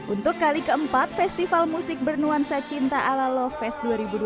untuk kali keempat festival musik bernuansa cinta ala loveest dua ribu dua puluh